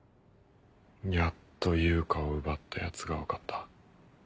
やっと悠香を奪ったヤツが分かった。